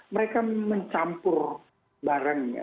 karena kami mencampur barangnya